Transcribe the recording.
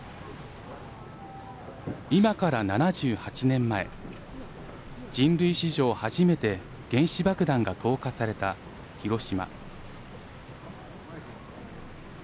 今から７８年前、人類史上初めて原子爆弾が投下された広島。